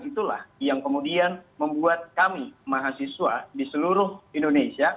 itulah yang kemudian membuat kami mahasiswa di seluruh indonesia